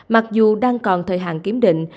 mặc dù đang còn thời hạn kiểm định